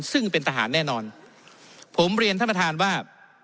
ซึ่งเป็นทหารแน่นอนผมเรียนท่านประธานว่า